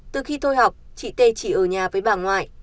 từ khi thôi học chị t chỉ ở nhà với bà ngoại